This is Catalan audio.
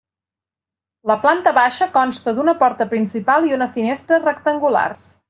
La planta baixa consta d’una porta principal i una finestra rectangulars.